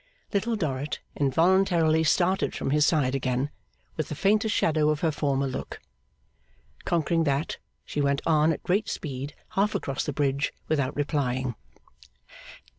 Little Dorrit involuntarily started from his side again, with the faintest shadow of her former look; conquering that, she went on at great speed half across the Bridge without replying!